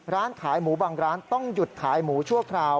ร้านขายหมูบางร้านต้องหยุดขายหมูชั่วคราว